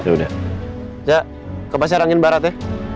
ya udah ke pasar angin barat ya